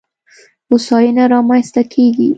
هوساینه رامنځته کېږي.